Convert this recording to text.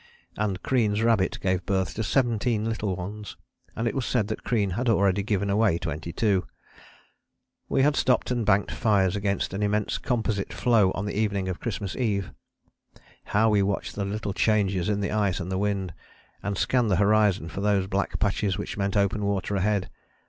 And Crean's rabbit gave birth to seventeen little ones, and it was said that Crean had already given away twenty two. We had stopped and banked fires against an immense composite floe on the evening of Christmas Eve. How we watched the little changes in the ice and the wind, and scanned the horizon for those black patches which meant open water ahead.